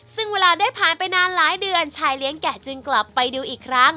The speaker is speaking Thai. ซึ่งเวลาได้ผ่านไปนานหลายเดือนชายเลี้ยงแก่จึงกลับไปดูอีกครั้ง